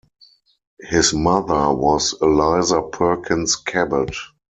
His mother was Eliza Perkins Cabot.